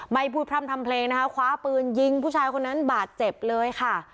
ไม่พูดพร่ำทำเพลงนะคะคว้าปืนยิงผู้ชายคนนั้นบาดเจ็บเลยค่ะ